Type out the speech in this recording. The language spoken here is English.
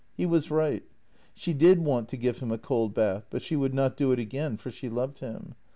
He was right. She did want to give him a cold bath, but she would not do it again, for she loved him.